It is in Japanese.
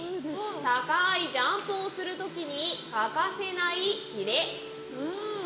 高いジャンプをする時に欠かせないヒレ。